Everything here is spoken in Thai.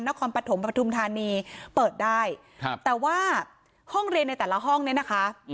นครปฐมปฐุมธานีเปิดได้ครับแต่ว่าห้องเรียนในแต่ละห้องเนี่ยนะคะ